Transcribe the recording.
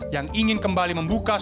yang ingin kembali membuka sekolah